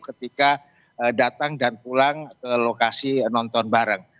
ketika datang dan pulang ke lokasi nonton bareng